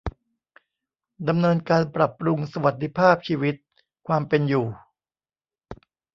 ดำเนินการปรับปรุงสวัสดิภาพชีวิต ความเป็นอยู่